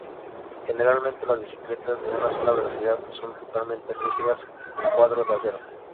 Generalmente las bicicletas de una sola velocidad son totalmente rígidas con cuadro de acero.